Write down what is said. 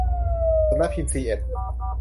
สำนักพิมพ์ซีเอ็ด